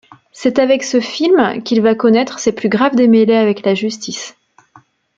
C'est avec ce film qu'il va connaître ses plus graves démêlés avec la justice.